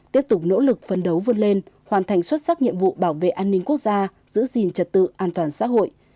tiếp tục nỗ lực phân đấu vươn lên hoàn thành xuất sắc nhiệm vụ bảo vệ an ninh quốc gia giữ gìn trật tự an toàn xã hội